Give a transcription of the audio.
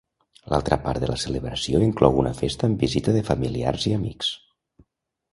L'altra part de la celebració inclou una festa amb visita de familiars i amics.